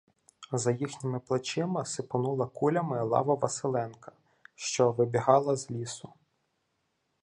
Та за їхніми плечима сипонула кулями лава Василенка, що вибігла з лісу.